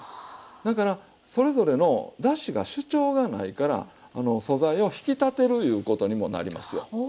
だからそれぞれのだしが主張がないから素材を引き立てるいうことにもなりますよ。